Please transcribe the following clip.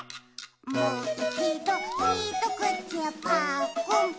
「もういちどひとくちぱっくん」ま。